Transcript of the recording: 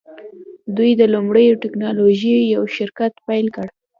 دوی د لوړې ټیکنالوژۍ یو شرکت پیل کړ